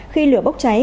khi lửa bốc cháy